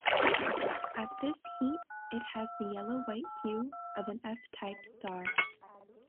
At this heat, it has the yellow-white hue of an F-type star.